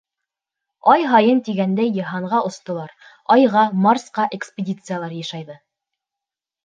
Ай һайын тигәндәй йыһанға остолар, Айға, Марсҡа экспедициялар йышайҙы.